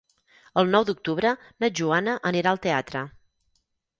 El nou d'octubre na Joana anirà al teatre.